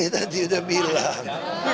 tadi udah bilang